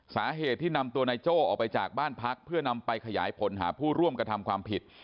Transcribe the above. สาเหตุที่นำตัวนายโจ้ออกไปจากบ้านพักเพื่อนำไปขยายผลหาผู้ร่วมกระทำความผิด